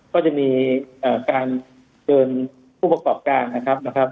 ก็จะมีการเชิญผู้ประกอบการนะครับนะครับ